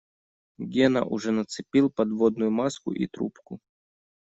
Гена уже нацепил подводную маску и трубку.